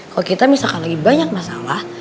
kalau kita misalkan lagi banyak masalah